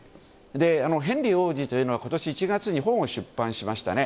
ヘンリー王子というのは今年１月に本を出版しましたね。